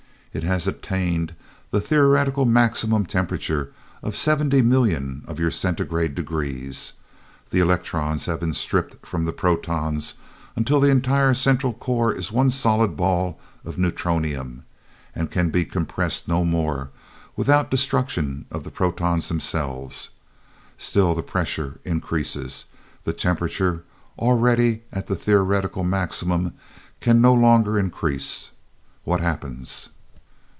It has attained the theoretical maximum of temperature some seventy million of your centigrade degrees the electrons have been stripped from the protons until the entire central core is one solid ball of neutronium and can be compressed no more without destruction of the protons themselves. Still the pressure increases. The temperature, already at the theoretical maximum, can no longer increase. What happens?"